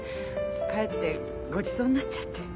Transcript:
かえってごちそうになっちゃって。